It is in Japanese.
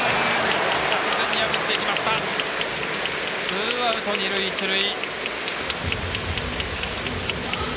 ツーアウト、二塁一塁。